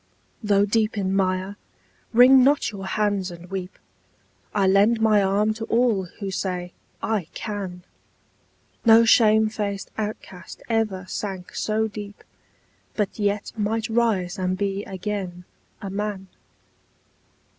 Though deep in mire, wring not your hands and weep; I lend my arm to all who say "I can!" No shame faced outcast ever sank so deep, But yet might rise and be again a man